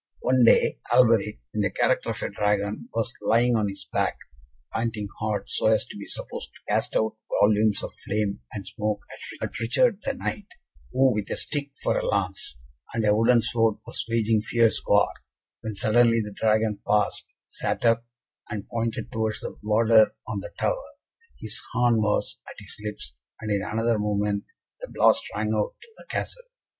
One day, Alberic, in the character of a Dragon, was lying on his back, panting hard so as to be supposed to cast out volumes of flame and smoke at Richard, the Knight, who with a stick for a lance, and a wooden sword, was waging fierce war; when suddenly the Dragon paused, sat up, and pointed towards the warder on the tower. His horn was at his lips, and in another moment, the blast rang out through the Castle.